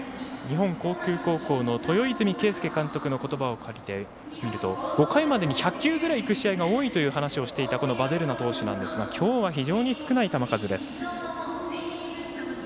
日本航空高校の豊泉啓介監督のことばですと５回までに１００球くらいいく試合が多いと話をしていたヴァデルナ投手なんですがきょうは、非常に少ない投球内容です。